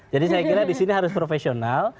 saya kira di sini harus profesional